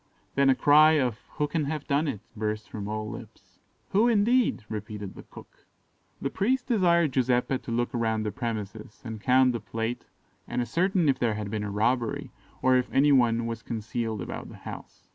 Then a cry of "Who can have done it?" burst from all lips. "Who, indeed?" repeated the cook. The priest desired Giuseppe to look round the premises, and count the plate, and ascertain if there had been a robbery, or if any one was concealed about the house.